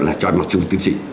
là cho mặt trường tiến trị